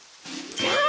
じゃあ。